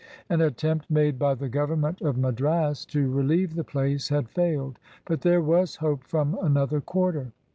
An attempt made by the Government of Madras to relieve the place had failed. But there was hope from another quarter.